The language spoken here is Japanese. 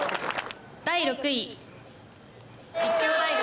第６位、立教大学。